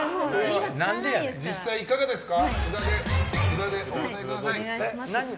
実際いかがですか。